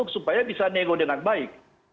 supaya bisa nego dengan baik